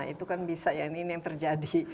itu kan bisa ya ini yang terjadi